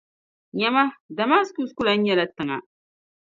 Nyama, Damaskus ku lan nyɛla tiŋa.